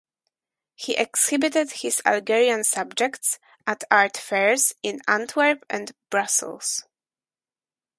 He exhibited his Algerian subjects at art fairs in Antwerp and Brussels.